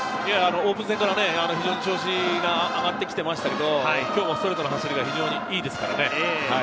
オープン戦から調子が上がってきていましたが、今日もストレートが非常にいいですね。